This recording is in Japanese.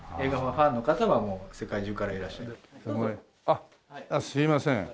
あっすいません。